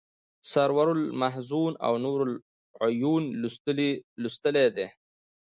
سرور المحزون او نور العیون لوستلی دی.